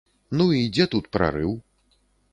Ну і дзе тут прарыў?